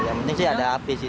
yang penting sih ada api sih